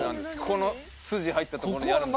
この筋入ったとこにある。